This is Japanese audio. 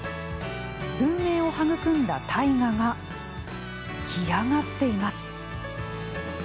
文明を育んだ大河が干上がっています。